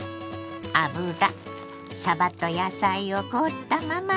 油さばと野菜を凍ったまま入れ